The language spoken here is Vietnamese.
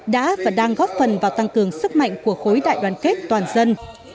đã và đang góp phần vào tăng cường sức mạnh của khối đại đoàn kết toàn dân